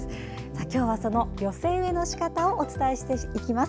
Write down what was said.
今日は、その寄せ植えのしかたをお伝えしていきます。